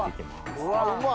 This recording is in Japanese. うわうまっ！